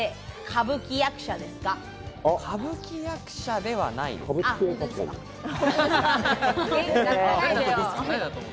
歌舞伎役者ではないです。